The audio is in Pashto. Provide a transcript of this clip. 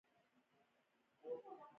تنګ نظره خلک زړورتیا او باور نه لري